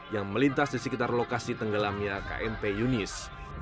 yang melintas di sekitar lokasi tenggelamnya kmp yunis